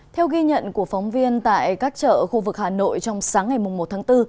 theo ghi nhận của phóng viên tại các chợ khu vực hà nội trong sáng ngày một tháng bốn